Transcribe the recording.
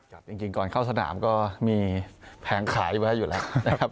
จริงก่อนเข้าสนามก็มีแผงขายอยู่แล้วนะครับ